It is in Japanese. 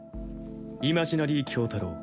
イマジナリー京太郎。